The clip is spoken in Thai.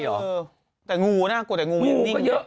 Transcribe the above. จะไม่ตายเหรอ